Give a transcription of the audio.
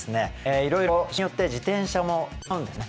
いろいろ障害によって自転車もだいぶ違うんですね。